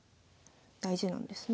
大事なんですね。